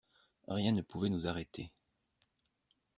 Rien ne pouvait nous arrêter.